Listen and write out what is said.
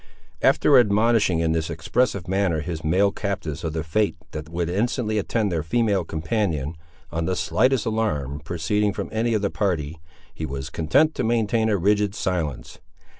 After admonishing in this expressive manner his male captives of the fate that would instantly attend their female companion, on the slightest alarm proceeding from any of the party, he was content to maintain a rigid silence.